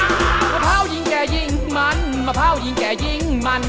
มะพร้าวยิ่งแก่ยิ่งมันมะพร้าวยิ่งแก่ยิ่งมัน